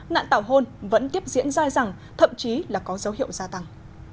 nạn tảo hôn vẫn tiếp diễn ra rằng thậm chí là có dấu hiệu gia tăng